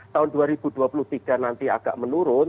tahun dua ribu dua puluh tiga nanti agak menurun